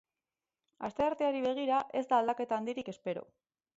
Astearteari begira ez da aldaketa handirik espero.